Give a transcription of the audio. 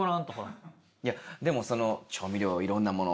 でもその調味料いろんなもの。